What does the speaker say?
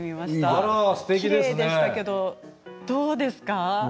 きれいですけどどうですか。